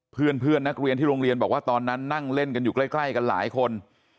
เพื่อนนักเรียนที่โรงเรียนบอกว่าตอนนั้นนั่งเล่นกันอยู่ใกล้กันหลายคน